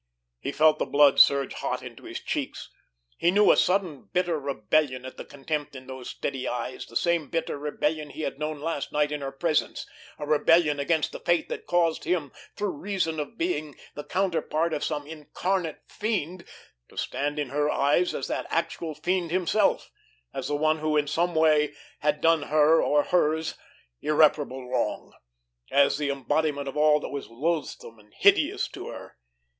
He felt the blood surge hot into his cheeks. He knew a sudden bitter rebellion at the contempt in those steady eyes, the same bitter rebellion he had known last night in her presence, a rebellion against the fate that caused him, through reason of being the counterpart of some incarnate fiend, to stand in her eyes as that actual fiend himself, as the one who in some way had done her, or hers, irreparable wrong, as the embodiment of all that was loathsome and hideous to her.